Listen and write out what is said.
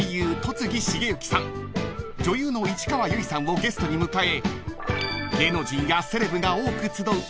［女優の市川由衣さんをゲストに迎え］